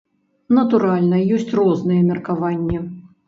Натуральна, ёсць розныя меркаванні!